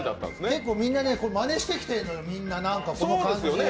結構、みんなまねしてきてんのよ、この感じ。